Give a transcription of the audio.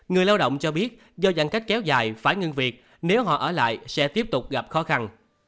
người lao động cho biết do dặn cách kéo dài phải ngừng việc nếu họ ở lại sẽ tiếp tục gặp khó khăn